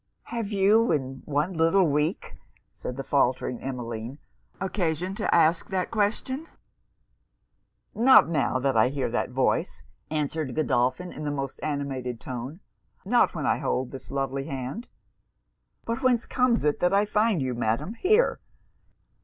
'Have you, in one little week,' said the faultering Emmeline, 'occasion to ask that question?' 'Not now I hear that voice,' answered Godolphin in the most animated tone 'Not when I hold this lovely hand. But whence comes it that I find you, Madam, here?